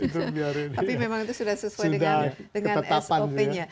tapi memang itu sudah sesuai dengan sop nya